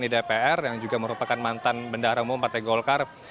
di dpr yang juga merupakan mantan bendahara umum partai golkar